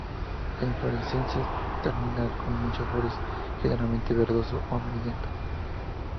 La inflorescencia es terminal con muchas flores, generalmente verdoso o amarillento.